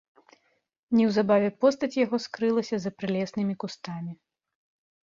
Неўзабаве постаць яго скрылася за прылеснымі кустамі.